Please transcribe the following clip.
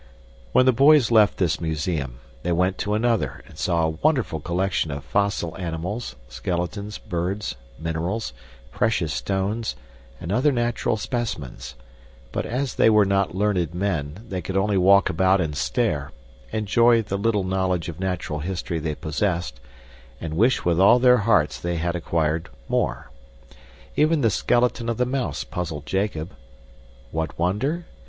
When the boys left this museum, they went to another and saw a wonderful collection of fossil animals, skeletons, birds, minerals, precious stones, and other natural specimens, but as they were not learned men, they could only walk about and stare, enjoy the little knowledge of natural history they possessed, and wish with all their hearts they had acquired more. Even the skeleton of the mouse puzzled Jacob. What wonder?